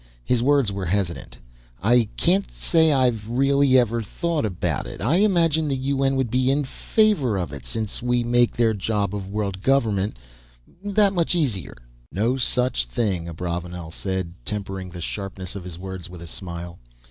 His words were hesitant. "I can't say I've really ever thought about it. I imagine the UN would be in favor of it, since we make their job of world government that much easier " "No such thing," Abravanel said, tempering the sharpness of his words with a smile.